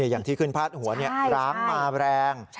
อย่างที่ขึ้นพาดหัวร้างมาแรง